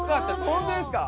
ホントですか？